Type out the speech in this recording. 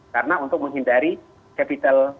karena untuk menghindari capital